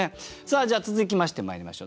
じゃあ続きましてまいりましょう。